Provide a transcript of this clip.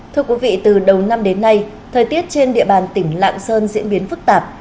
thưa quý vị từ đầu năm đến nay thời tiết trên địa bàn tỉnh lạng sơn diễn biến phức tạp